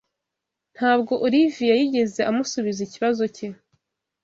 ntabwo Oliviya yigeze amusubiza ikibazo cye